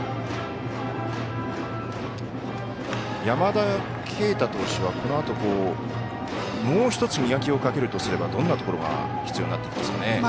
山田渓太投手はこのあと、もう１つ磨きをかけるとすればどんなところが必要になってきますかね。